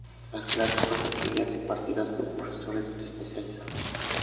Las clases son pequeñas e impartidas por profesores especializados.